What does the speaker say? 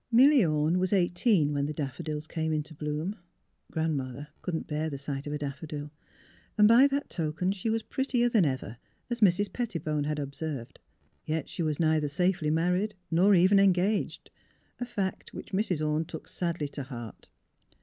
Milly Orne was eighteen when the daffodils came into bloom, (Grandmother couldn't bear the sight of a daffodil) and by that token she was prettier than ever, as Mrs. Pettibone had ob served. Yet she was neither safely married, nor even engaged, a fact which Mrs. Orne took sadly to heart.